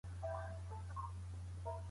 لومړی ګام اخیستل تر ټولو ستونزمن وي.